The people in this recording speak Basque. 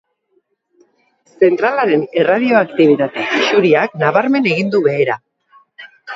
Zentralaren erradioaktibitate isuriak nabarmen egin du behera.